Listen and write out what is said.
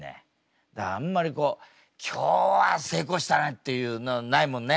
だからあんまりこう「今日は成功したね！」っていうのないもんね。